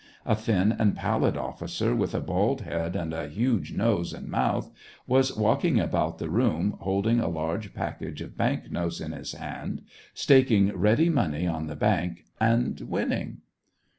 A thin and pallid officer with a bald head, and a huge nose and mouth, was walking about the room, holding a large package of bank notes in his hand, staking ready money on the bank, and winning.